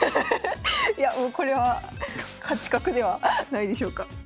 いやもうこれは勝ち確ではないでしょうか。